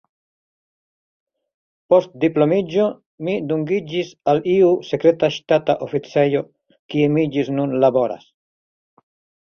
Post diplomiĝo mi dungiĝis al iu sekreta ŝtata oficejo, kie mi ĝis nun laboras.